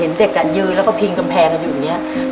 เด็กยืนแล้วก็พิงกำแพงกันอยู่อย่างนี้